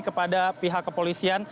kepada pihak kepolisian